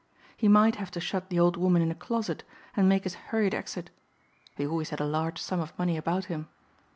He might have to shut the old woman in a closet and make his hurried exit. He always had a large sum of money about him.